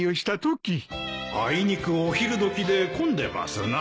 あいにくお昼時で混んでますなあ